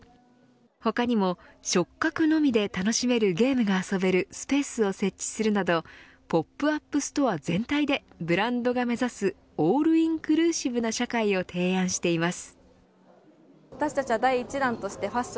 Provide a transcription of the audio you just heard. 他にも触覚のみで楽しめるゲームで遊べるスペースを設置するなどポップアップストア全体でブランドが目指すオールインクルーシブな社会を提案しています。